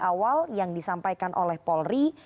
awal yang disampaikan oleh polri